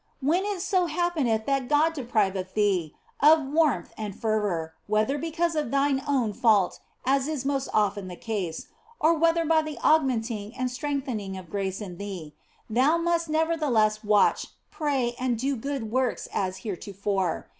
When it so happeneth that God depriveth thee of warmth and fervour (whether because of thine own fault, as is most often the case, or whether for the augmenting and strengthening of grace in thee), thou must neverthe less watch, pray, and do good works as heretofore.